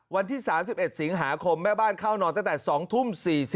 วันที่๓๑สิงหาคมแม่บ้านเข้านอนตั้งแต่๒ทุ่ม๔๐